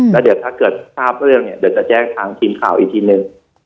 แล้วเดี๋ยวถ้าเกิดทราบเรื่องเนี่ยเดี๋ยวจะแจ้งทางทีมข่าวอีกทีนึง